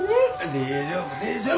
大丈夫大丈夫。